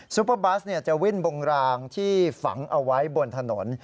เปอร์บัสจะวิ่งบงรางที่ฝังเอาไว้บนถนน